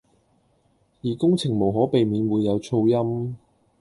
而工程無可避免會有噪音